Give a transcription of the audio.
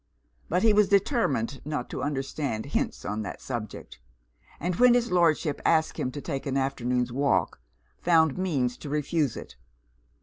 But he was determined not to understand hints on that subject; and when his Lordship asked him to take an afternoon's walk, found means to refuse it.